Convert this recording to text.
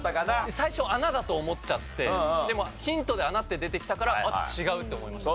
最初穴だと思っちゃってでもヒントで「穴」って出てきたからあっ違うって思いましたね。